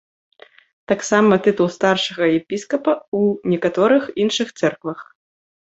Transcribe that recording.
Таксама тытул старшага епіскапа ў некаторых іншых цэрквах.